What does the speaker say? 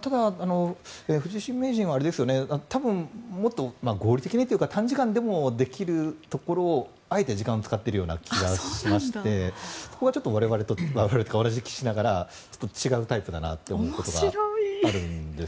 ただ、藤井新名人は多分、もっと合理的にというか短時間でもできるところをあえて時間を使っているような気がしましてそこがちょっと我々というか私も棋士ながらちょっと違うタイプだなと思うところがあるんです。